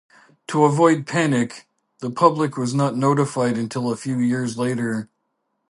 To avoid panic, the public was not notified until a few years later.